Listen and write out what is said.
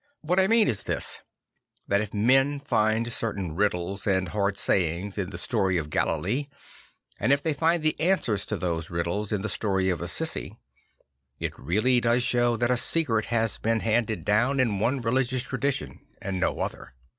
What I mean is this; that if men find certain riddles and hard sayings in the story of Galilee, and if they find the answers to those riddles in the story of Assisi, it really does show that a secret has been handed down in one religious tradition and no other.